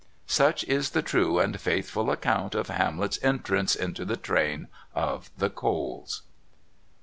Such is the true and faithful account of Hamlet's entrance into the train of the Coles.